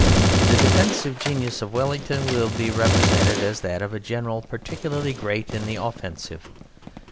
The defensive genius of Wellington will be represented as that of a general particularly great in the offensive.